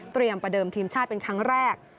ประเดิมทีมชาติเป็นครั้งแรก